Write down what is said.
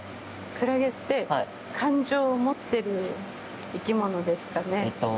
クラゲって感情を持ってる生き物ですかね。